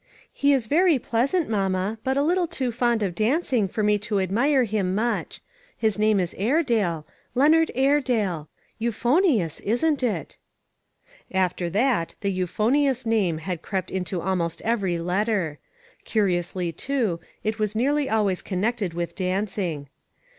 He is very pleasant, mamma, but a little too fond of dancing for me to admire him much. His name is Airedale, A TOUCH OF THE WORLD. 393 Leonard Airedale. Euphonious, isn't it?" After that, the " euphonious " name had crept into almost every letter; curiously, too, it was nearly always connected with danc ing.